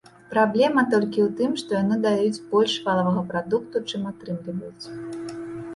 Праблема толькі ў тым, што яны даюць больш валавога прадукту, чым атрымліваюць.